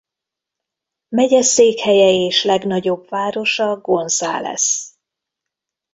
Megyeszékhelye és legnagyobb városa Gonzales.